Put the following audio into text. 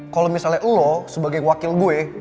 kalau misalnya lo sebagai wakil gue